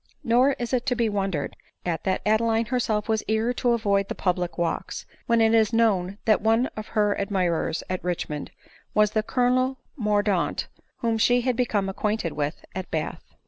Nor is it to be wondered at that Adeline herself was eager to avoid the public walks, when it is known that one of her admirers at Richmond was the colonel Mordaunt whom she had become acquainted with at Bath.